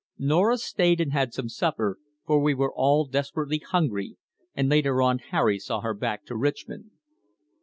Norah stayed and had some supper, for we were all desperately hungry, and later on Harry saw her back to Richmond.